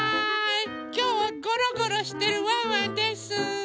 きょうはゴロゴロしてるワンワンです。